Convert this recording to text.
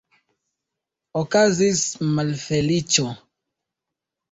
Okazis malfeliĉo!